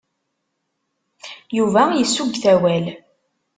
Yuba yessuggut awal.